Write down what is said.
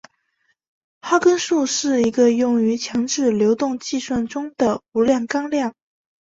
哈根数是一个用于强制流动计算中的无量纲量。